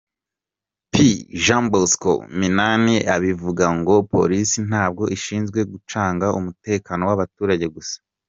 P Jean Bosco Minani abivuga ngo polisi ntabwo ishinzwe gucunga umutekano w’abaturage gusa.